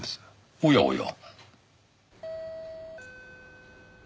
おやおや。